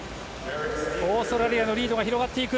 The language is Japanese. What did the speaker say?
オーストラリアのリードが広がっていく。